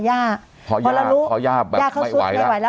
ย่าเขาสู้ไม่ไหวแล้ว